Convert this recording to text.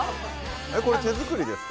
これ手作りですか？